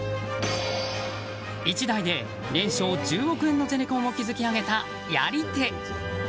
一代で年商１０億円のゼネコンを築き上げた、やり手！